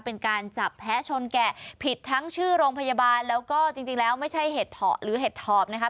เป็นการจับแพ้ชนแกะผิดทั้งชื่อโรงพยาบาลแล้วก็จริงแล้วไม่ใช่เห็ดเพาะหรือเห็ดถอบนะครับ